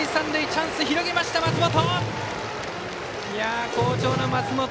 チャンスを広げました、松本。